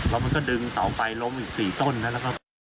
แล้วมันก็ดึงต่อไปล้มอีก๔ต้นแล้วก็